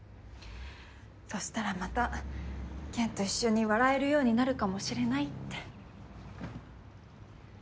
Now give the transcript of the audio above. そしたらまたケンと一緒に笑えるようになるかもしれないって。